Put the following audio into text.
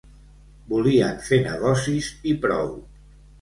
Volien fer negocis i prou.